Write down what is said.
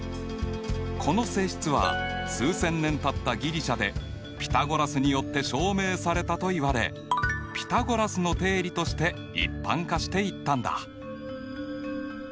この性質は数千年たったギリシャでピタゴラスによって証明されたといわれピタゴラスの定理として一般化していったんだ。